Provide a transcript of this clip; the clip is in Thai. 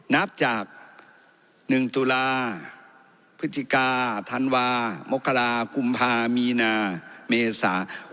นับจาก๑ตุลาพฤศจิกาธันวามกรากุมภามีนาเมษา๖๖